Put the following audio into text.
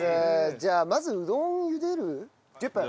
じゃあまずうどん茹でる。